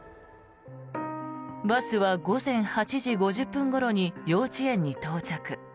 バスは午前８時５０分ごろに幼稚園に到着。